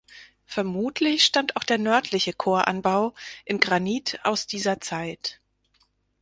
Vermutlich stammt auch der nördliche Choranbau in Granit aus dieser Zeit.